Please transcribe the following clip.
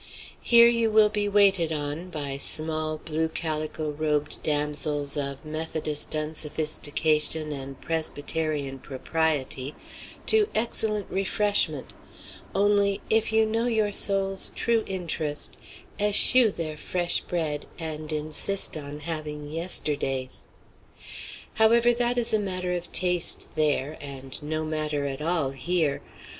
Here you will be waited on, by small, blue calico robed damsels of Methodist unsophistication and Presbyterian propriety, to excellent refreshment; only, if you know your soul's true interest, eschew their fresh bread and insist on having yesterday's. However, that is a matter of taste there, and no matter at all here.